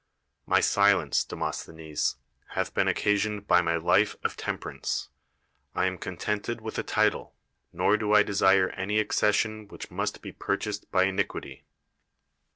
]My si lence, Demosthenes, hath been occasioned by my life of temperance. I am contented with a title; nor do I desire any accession which must be purchased by inicpiity.